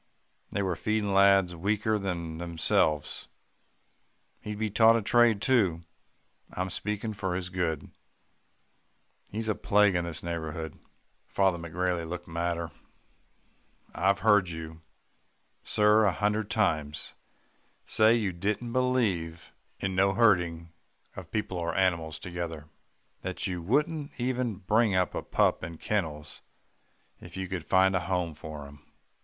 They were feeding lads weaker than themselves. He'd be taught a trade too. I'm speaking for his good. He's a plague to this neighbourhood.' "Father McGrailey looked madder. 'I've heard you, sir, a hundred times, say you didn't believe in no herding of people or animals together that you wouldn't even bring up a pup in kennels, if you could find a home for him.